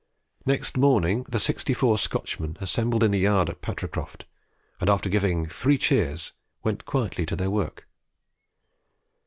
Next morning the sixty four Scotchmen assembled in the yard at Patricroft, and after giving "three cheers," went quietly to their work.